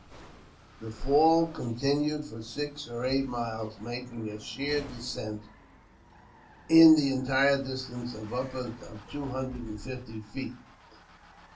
This fall continued for six or eight miles, making a sheer descent, in the entire distance, of upward of two hundred and fifty feet.